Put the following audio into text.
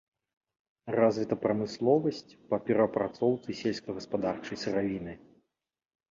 Развіта прамысловасць па перапрацоўцы сельскагаспадарчай сыравіны.